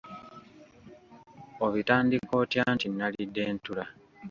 Obitandika otya nti nnalidde ntula?`